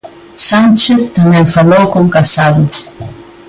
Sánchez tamén falou con Casado.